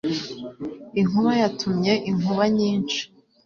Inkuba yatumye inkuba nyinshi.